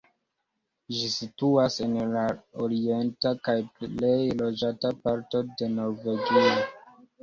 Ĝi situas en la orienta kaj plej loĝata parto de Norvegio.